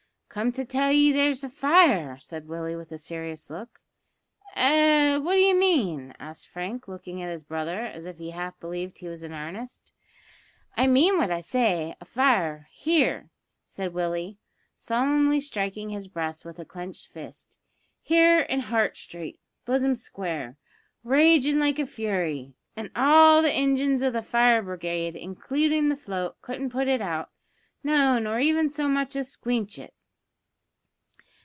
"Come to tell ye there's a fire," said Willie, with a serious look. "Eh? what d'ye mean?" asked Frank, looking at his brother, as if he half believed he was in earnest. "I mean what I say a fire here," said Willie, solemnly striking his breast with his clenched fist, "here in Heart Street, Buzzum Square, ragin' like fury, and all the ingins o' the fire brigade, includin' the float, couldn't put it out, no, nor even so much as squeanch it!"